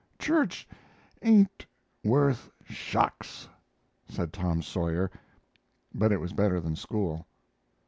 "Church ain't worth shucks," said Tom Sawyer, but it was better than school.